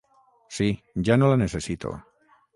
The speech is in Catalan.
Sí, ja no la necessito.